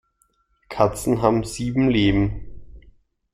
Katzen haben sieben Leben.